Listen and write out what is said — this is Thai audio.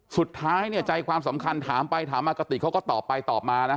สุดท้ายเนี่ยใจความสำคัญถามไปถามมากะติกเขาก็ตอบไปตอบมานะ